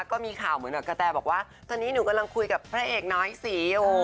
ก็มีข่าวเหมือนกับกะแตบอกว่าตอนนี้หนูกำลังคุยกับพระเอกน้อยสีอยู่